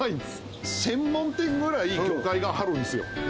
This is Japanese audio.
専門店ぐらい魚介があるんですよ。